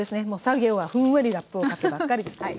もう作業はふんわりラップをかけばっかりです。